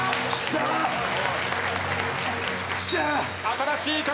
新しい形！